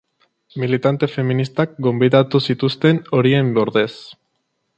Militante feministak gonbidatu zituzten, horien ordez.